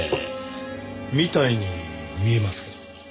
みたいに見えますけど。